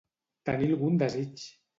Tenir algun desig.